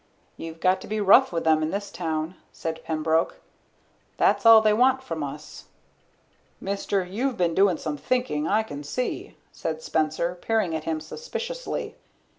You've got to be rough with them in this town," said Pembroke. "That's all they want from us." "Mister, you've been doing some thinkin', I can see," said Spencer, peering at him suspiciously.